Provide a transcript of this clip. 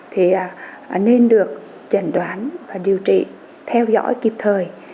thì nên được chẩn đoán và điều trị theo dõi kịp thời